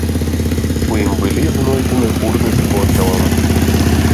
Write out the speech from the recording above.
У ім былі знойдзены урны з попелам.